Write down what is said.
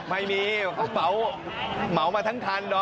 ไม่มีเค้าเมามาทั้งทัน